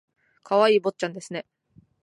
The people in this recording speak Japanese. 可愛い坊ちゃんですね